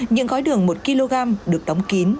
những gói đường một kg được đóng kín